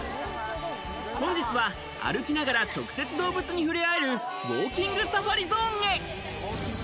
本日は歩きながら直接動物に触れ合えるウォーキングサファリゾーンへ。